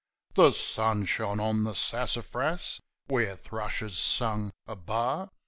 The sun shone on the sassafras, where thrushes sung a bar.